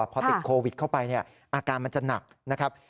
พอติดโควิดเข้าไปเนี่ยอาการมันจะหนักนะครับ